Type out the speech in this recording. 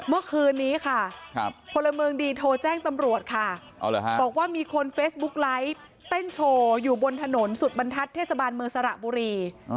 เมื่อคืนนี้ค่ะพลเมืองดีโทรแจ้งตำรวจค่ะบอกว่ามีคนเฟซบุ๊กไลฟ์เต้นโชว์อยู่บนถนนสุดบรรทัศน์เทศบาลเมืองสระบุรี